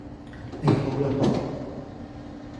你好啦播